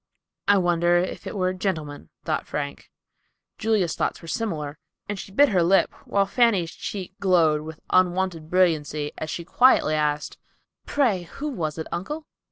"I wonder if it were a gentleman," thought Frank. Julia's thoughts were similar, and she bit her lip, while Fanny's cheek glowed with unwonted brilliancy as she quietly asked, "Pray, who was it uncle?"